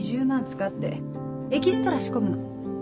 使ってエキストラ仕込むの。